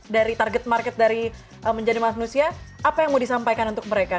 dari target market dari menjadi manusia apa yang mau disampaikan untuk mereka